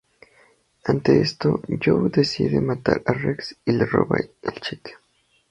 Ante esto, Joe decide matar a Rex y le roba el cheque.